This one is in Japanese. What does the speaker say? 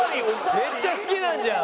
めっちゃ好きなんじゃん。